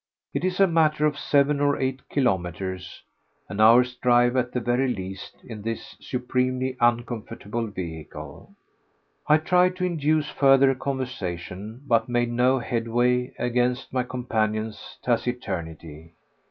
It is a matter of seven or eight kilometres—an hour's drive at the very least in this supremely uncomfortable vehicle. I tried to induce further conversation, but made no headway against my companion's taciturnity.